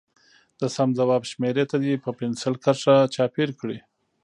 د سم ځواب شمیرې ته دې په پنسل کرښه چاپېر کړي.